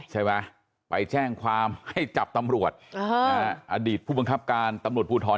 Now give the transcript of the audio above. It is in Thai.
ใช่ไหมไปแจ้งความให้จับตำรวจอดีตผู้บังคับการตำรวจภูทร